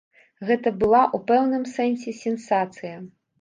Гэта была ў пэўным сэнсе сенсацыя.